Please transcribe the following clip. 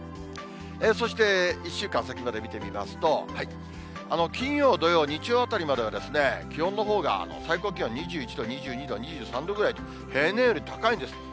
そして、１週間先まで見てみますと、金曜、土曜、日曜あたりまでは、気温のほうが最高気温２１度、２２度、２３度ぐらいと、平年より高いんです。